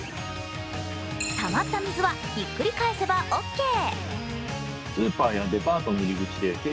たまった水はひっくり返せばオーケー。